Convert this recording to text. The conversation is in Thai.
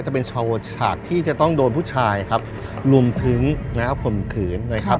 จะเป็นชาวฉากที่จะต้องโดนผู้ชายครับรวมถึงนะครับข่มขืนนะครับ